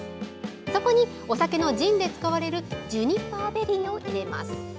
そこにお酒のジンで使われるジュニパーベリーを入れます。